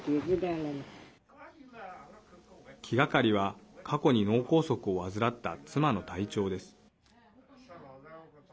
気がかりは過去に脳梗塞を患った妻の体調です。